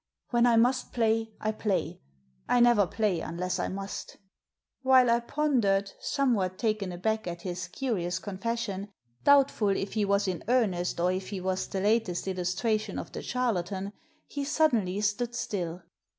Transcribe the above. When I must play I play. I never play unless I must." While I pondered, somewhat taken aback at his Digitized by VjOOQIC A DOUBLE MINDED GENTLEMAN 245 curious confession, doubtful if he was in earnest or if he was the latest illustration of the charlatan, he suddenly stood still.